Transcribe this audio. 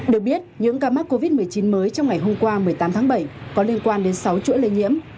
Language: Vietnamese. được biết những ca mắc covid một mươi chín mới trong ngày hôm qua một mươi tám tháng bảy có liên quan đến sáu chuỗi lây nhiễm